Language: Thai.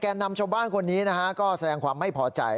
นำชาวบ้านคนนี้นะฮะก็แสดงความไม่พอใจ